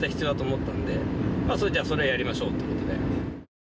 それじゃあそれはやりましょうということで。